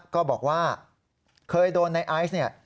ก็บอกว่าเคยโดนในไอซ์เนี่ย